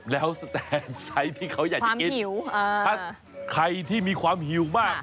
แล้วสแตนไซส์ที่เขาอยากจะกินหิวถ้าใครที่มีความหิวมาก